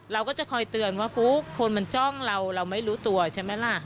เราก็จะคอยเตือนว่าฟุ๊กคนมันจ้องเราเราไม่รู้ตัวใช่ไหมล่ะ